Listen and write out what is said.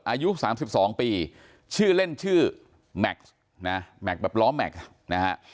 อายุ๓๒ปีชื่อเล่นชื่อแม็กซ์นะแม็กซแบบล้อแม็กซ์นะฮะ